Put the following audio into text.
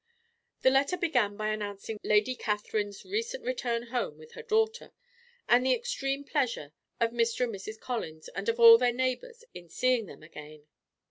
The letter began by announcing Lady Catherine's recent return home with her daughter, and the extreme pleasure of Mr. and Mrs. Collins, and of all their neighbours, in seeing them again.